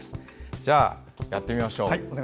じゃあ、やってみましょう。